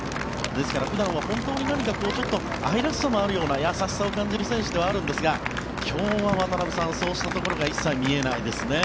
ですから普段は本当に愛らしさもあるような優しさを感じる選手ではあるんですが今日は渡辺さんそうしたところが一切見えないですね。